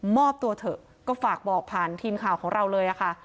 มอบตัวเถอะก็ฝากบอกผ่านทีมข่าวของเราเลยค่ะ